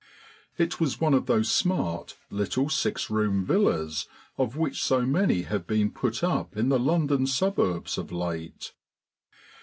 It was one of those smart little six room villas of which so many have been put up in the London suburbs of late.